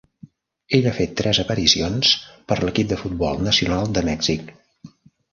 Ell ha fet tres aparicions per l"equip de futbol nacional de Mèxic.